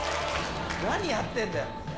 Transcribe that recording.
何やってんだよ。